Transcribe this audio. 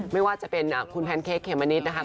ไม่ว่าจะเป็นคุณแพนเค้กเมมะนิดนะคะ